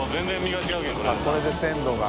あっこれで鮮度が。